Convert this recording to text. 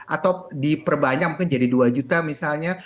atau diperbanyak mungkin jadi dua juta misalnya